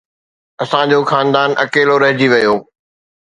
اسان جو خاندان اڪيلو رهجي ويو